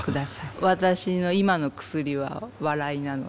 私の今の薬は笑いなので。